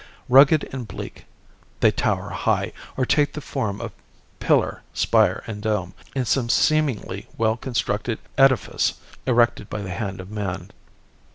Rugged and bleak they tower high, or take the form of pillar, spire and dome, in some seemingly well constructed edifice erected by the hand of man.